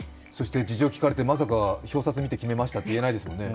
事情を聞かれて、まさか表札見て決めましたとは言えないですもんね。